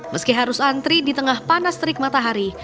meski harus antri di tengah panas terik matahari